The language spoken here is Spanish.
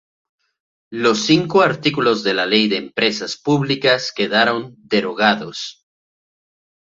Los cinco artículos de la Ley de empresas públicas quedaron derogados.